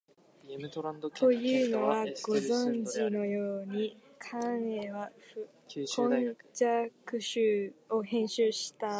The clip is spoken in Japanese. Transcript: というのは、ご存じのように、貫之は「古今集」を編集したあと、